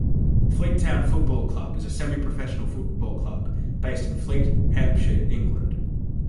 Fleet Town Football Club is a semi-professional football club based in Fleet, Hampshire, England.